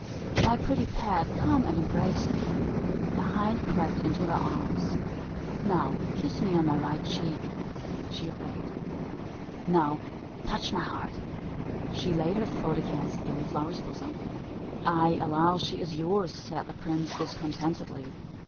My pretty pet, come and embrace me." The hind crept into her arms. "Now kiss me on my right cheek." She obeyed. "Now touch my heart." She laid her foot against Gilliflower's bosom. "I allow she is yours," said the prince, discontentedly.